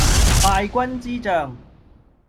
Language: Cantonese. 敗軍之將